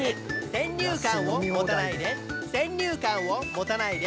「先入観を持たないで先入観を持たないで」